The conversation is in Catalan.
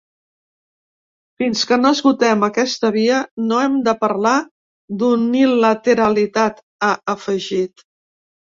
“Fins que no esgotem aquesta via, no hem de parlar d’unilateralitat”, ha afegit.